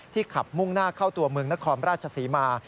ขับมุ่งหน้าเข้าตัวเมืองนครราชศรีมา